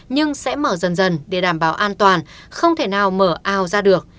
nhưng sẽ mở dần dần để đảm bảo an toàn không thể nào mở ao ra được